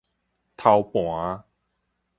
頭盤